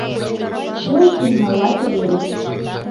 Чылт еҥгавате велыс.